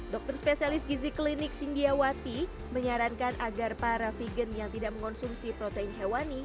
dokter spesialis gizi klinik sindiawati menyarankan agar para vegan yang tidak mengonsumsi protein hewani